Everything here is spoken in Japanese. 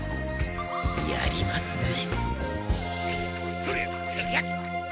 やりますね。